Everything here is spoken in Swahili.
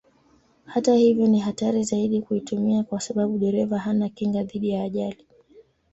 Hata hivyo ni hatari zaidi kuitumia kwa sababu dereva hana kinga dhidi ya ajali.